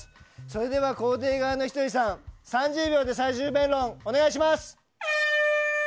それでは肯定側のひとりさん３０秒で最終弁論お願いします。